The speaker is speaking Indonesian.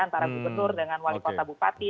antara gubernur dengan wali kota bupati